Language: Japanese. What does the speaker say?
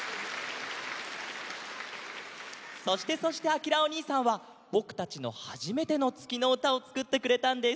そしてそしてアキラおにいさんはぼくたちのはじめてのつきのうたをつくってくれたんです。